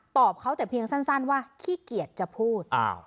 เขาแต่เพียงสั้นว่าขี้เกียจจะพูด